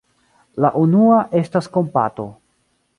La unua estas kompato.